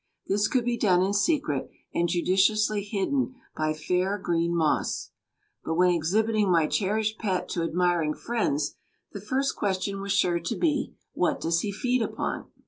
This could be done in secret, and judiciously hidden by fair, green moss; but when exhibiting my cherished pet to admiring friends the first question was sure to be, "What does he feed upon?"